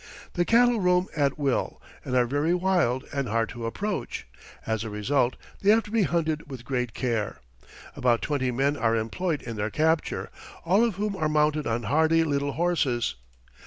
The cattle roam at will and are very wild and hard to approach; as a result they have to be hunted with great care. About twenty men are employed in their capture, all of whom are mounted on hardy little horses.